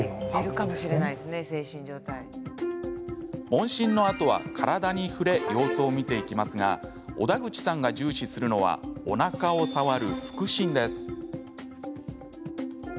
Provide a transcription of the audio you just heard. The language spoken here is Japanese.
問診のあとは、体に触れ様子を診ていきますが小田口さんが重視するのはおなかを触る腹診です。